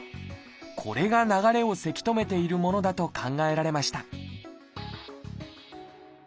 これが流れをせき止めているものだと考えられました